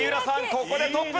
ここでトップ！